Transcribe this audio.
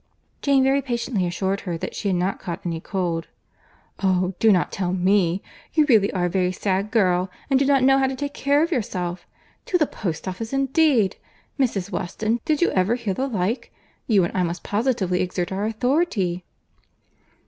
Jane very patiently assured her that she had not caught any cold. "Oh! do not tell me. You really are a very sad girl, and do not know how to take care of yourself.—To the post office indeed! Mrs. Weston, did you ever hear the like? You and I must positively exert our authority."